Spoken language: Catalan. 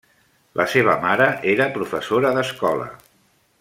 La seva mare era professora d'escola.